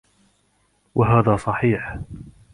وَهَذَا صَحِيحٌ